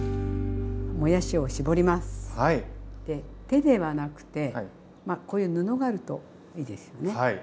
手ではなくてこういう布があるといいですよね。